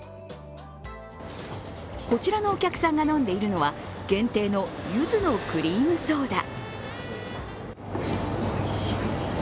こちらのお客さんが飲んでいるのは、限定の柚子のクリームソーダ。